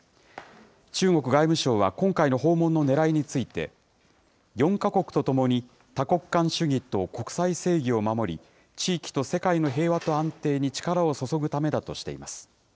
中国外務省は今回の訪問のねらいについて、４か国とともに多国間主義と国際正義を守り、地域と世界の平和と安定に力を注ぐためだとしています。